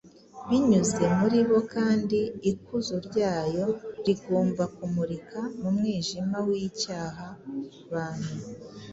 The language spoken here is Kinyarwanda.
Binyuze muri bo kandi, ikuzo ryayo rigomba kumurika mu mwijima w’icyaha bantu.